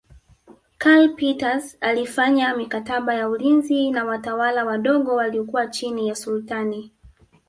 Karl Peters alifanya mikataba ya ulinzi na watawala wadogo waliokuwa chini ya Sultani